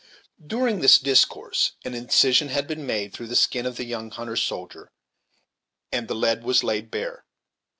During this discourse an incision had been made through the skin of the young hunter's shoulder, and the lead was laid bare.